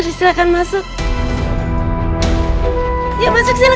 rumah nenek dimana